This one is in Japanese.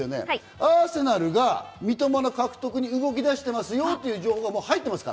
アーセナルが三笘の獲得に動き出してますよという情報が入ってます。